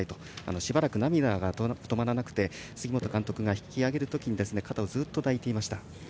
しばらく涙が止まらなくて杉本監督が引き上げるときに肩をずっと抱いていました。